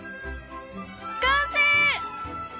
完成！